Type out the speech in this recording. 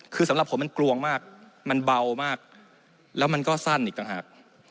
คือสำหรับผมมันกลวงมากมันเบามากแล้วมันก็สั้นอีกต่างหาก